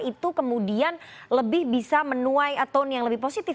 itu kemudian lebih bisa menuai tone yang lebih positif